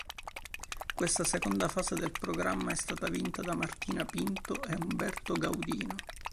Questa seconda fase del programma è stata vinta da Martina Pinto e Umberto Gaudino.